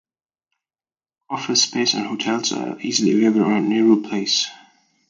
Office space and hotels are easily available around Nehru Place.